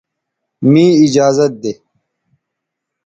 مے ایجازت دے